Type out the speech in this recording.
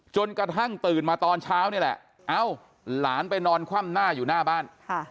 จนกระทั่งตื่นมาตอนเช้านี่แหละเอ้าหลานไปนอนคว่ำหน้าอยู่หน้าบ้าน